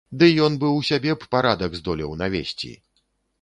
Ды ён бы ў сябе б парадак здолеў навесці!